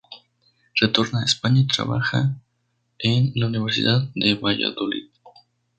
Retorna a España y trabaja en la Universidad de Valladolid.